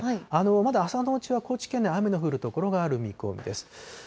まだ朝のうちは高知県内、雨の降る所がある見込みです。